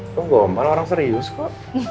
tuh gombal orang serius kok